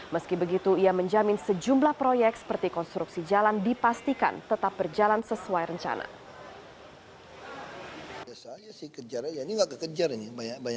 meski begitu ia menjamin sejumlah proyek seperti konstruksi jalan